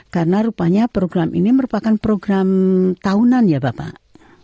karena rupanya program ini merupakan program tahunan ya bapak